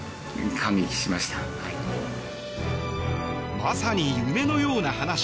まさに夢のような話。